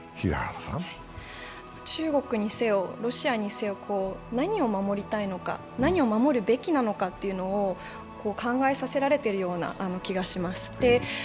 中国にせよ、ロシアにせよ、何を守りたいのか、何を守るべきなのかというのを考えさせられているような気がします。